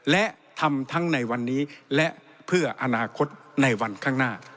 และทำทั้งในวันนี้และเพื่ออนาคตในวันข้างหน้า